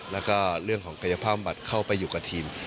แล้วก็เรื่องของกายภาพบัตรเข้าไปอยู่กับทีม